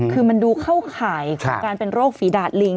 คือมันดูเข้าข่ายของการเป็นโรคฝีดาดลิง